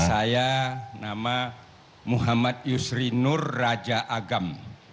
saya nama muhammad yusri nur raja agam